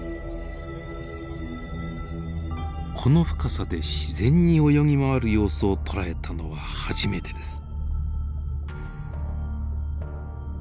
この深さで自然に泳ぎ回る様子を捉えたのは初めてです。